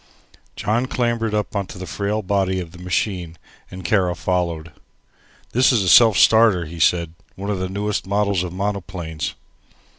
John clambered up into the frail body of the machine and Kara followed. "This is a self starter," he said, "one of the newest models of monoplanes."